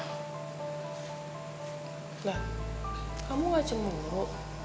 lah kamu gak cemburu